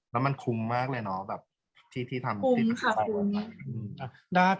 แล้วมันคุ้มมากเลยเนอะแบบที่ทำ